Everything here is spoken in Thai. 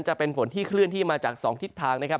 จะเป็นฝนที่เคลื่อนที่มาจาก๒ทิศทางนะครับ